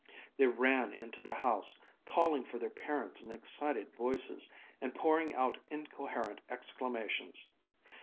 They ran into the house, calling for their parents in excited voices, and pouring out incoherent exclamations.